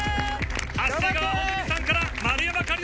長谷川穂積さんから丸山桂里